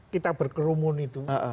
kita berkerumun itu